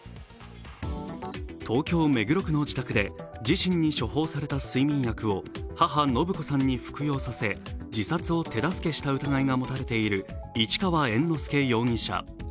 東京・目黒区の自宅で自身に処方された睡眠薬を母・延子さんに服用させ、自殺を手助けした疑いが持たれている市川猿之助容疑者。